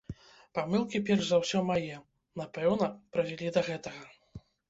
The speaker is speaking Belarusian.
Памылкі, перш за ўсё мае, напэўна, прывялі да гэтага.